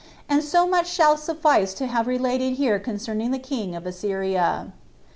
And so much shall suffice to have related here concerning the king of Assyria. 2.